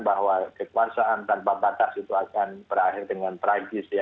bahwa kekuasaan tanpa batas itu akan berakhir dengan tragis